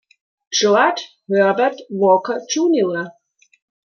George Herbert Walker, Jr.